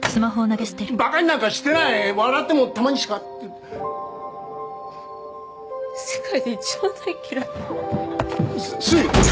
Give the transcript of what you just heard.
バカになんかしてない笑ってもたまにしか世界で一番大っ嫌いすいすい！